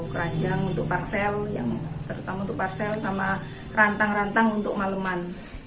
keranjang untuk parcel yang pertama tuh parcel sama rantang rantang untuk maleman